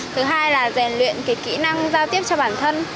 thứ hai là rèn luyện kỹ năng giao tiếp cho bản thân